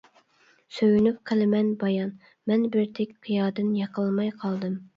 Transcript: سۆيۈنۈپ قىلىمەن بايان، مەن بىر تىك قىيادىن يىقىلماي قالدىم.